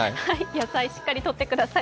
野菜しっかりとってください。